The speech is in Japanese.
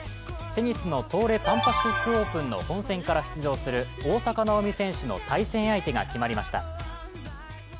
テニスの東レ・パンパシフィックオープンの本戦から出場する大坂なおみ選手の対戦相手が決まりました。